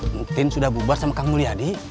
mungkin sudah bubar sama kang mulyadi